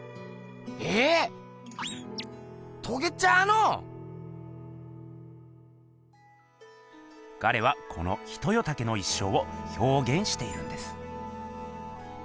ええ！とけちゃうの⁉ガレはこのヒトヨタケの一生をひょうげんしているんです。